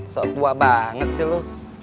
so tua banget sih lo